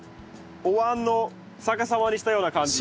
おわんを逆さまにしたような感じ。